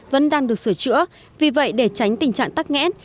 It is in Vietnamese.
vẫn đang được sửa chữa vì vậy để tránh tình trạng tắc nghẽn